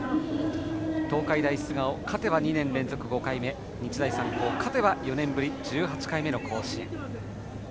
東海大菅生勝てば２年連続５回目日大三高勝てば４年ぶり１８回目の甲子園。